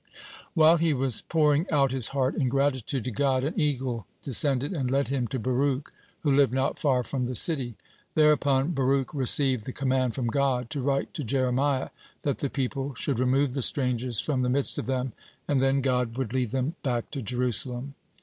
While he was pouring out his heart in gratitude to God, an eagle descended and led him to Baruch, who lived not far from the city. Thereupon Baruch received the command from God to write to Jeremiah that the people should remove the strangers from the midst of them, and then God would lead them back to Jerusalem.